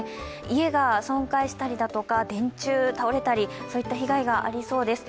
家が損壊したりだとか、電柱が倒れたり、そういった被害がありそうです。